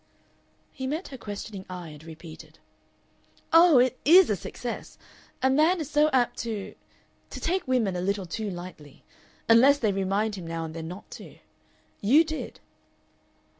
He met her questioning eye, and repeated, "Oh! it IS a success. A man is so apt to to take women a little too lightly. Unless they remind him now and then not to.... YOU did."